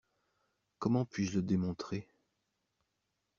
Comment puis-je le démontrer?